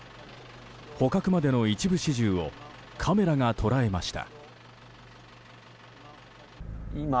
捕獲までの一部始終をカメラが捉えました。